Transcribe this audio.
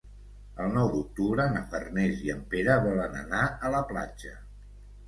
El nou d'octubre na Farners i en Pere volen anar a la platja.